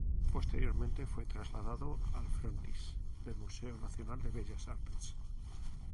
Posteriormente fue trasladado al frontis del Museo Nacional de Bellas Artes.